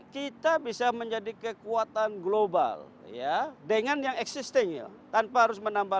kita bisa menjadi kekuatan global ya dengan yang existing tanpa harus menambah